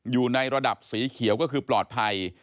อยู่ในระดับสีเขียวก็คือปลอดภัย